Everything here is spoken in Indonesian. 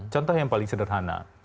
contoh yang paling sederhana